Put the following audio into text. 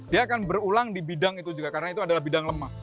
dia akan berulang di bidang itu juga karena itu adalah bidang lemah